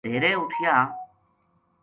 مدیہرے اُ ٹھیا